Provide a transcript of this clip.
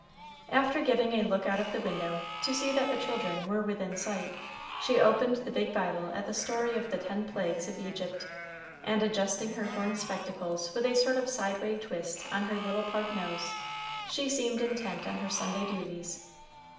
After giving a look out of the window, to see that the children were within sight, she opened the big Bible at the story of the ten plagues of Egypt, and adjusting her horn spectacles with a sort of sideway twist on her little pug nose, she seemed intent on her Sunday duties.